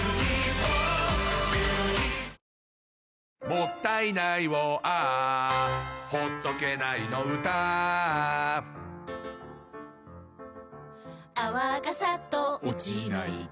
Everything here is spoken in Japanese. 「もったいないをＡｈ」「ほっとけないの唄Ａｈ」「泡がサッと落ちないと」